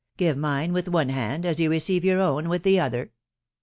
. give mine with one hand, as you receive your own with the other."